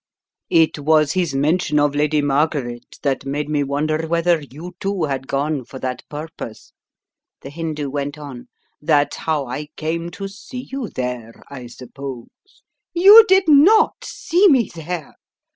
44 It was his mention of Lady Margaret that made me wonder whether you, too, had gone for that pur pose/' the Hindoo went on, "that's how I came to see you there, I suppose " "You did not see me there!"